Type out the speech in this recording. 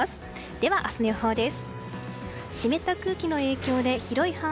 では、明日の予報です。